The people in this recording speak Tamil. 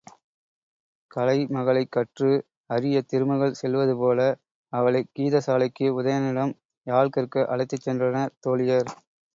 கலை மகளைக் கற்று அறியத் திருமகள் செல்வதுபோல, அவளைக் கீதசாலைக்கு உதயணனிடம் யாழ் கற்க அழைத்துச் சென்றனர் தோழியர்.